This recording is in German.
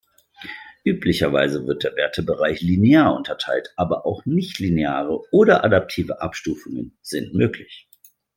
Üblicherweise wird der Wertebereich linear unterteilt, aber auch nicht-lineare oder adaptive Abstufungen sind möglich.